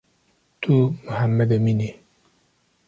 Tu Mihemmed Emîn î